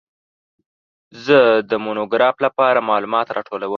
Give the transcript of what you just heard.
زه د مونوګراف لپاره معلومات راټولوم.